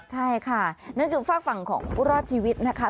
ใช่ค่ะนั่นคือฝากฝั่งของผู้รอดชีวิตนะคะ